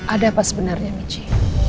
ada apa sebenarnya michi